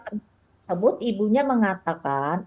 tersebut ibunya mengatakan